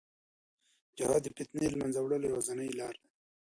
جهاد د فتنې د منځه وړلو یوازینۍ لار ده.